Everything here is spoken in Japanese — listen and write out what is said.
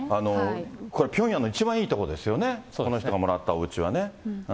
あのピョンヤンの一番いいとこですよね、この人がもらったおうちはね。